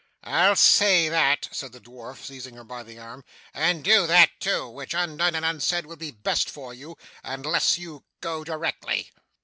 'I'll say that,' said the dwarf, seizing her by the arm, 'and do that too, which undone and unsaid would be best for you, unless you go directly.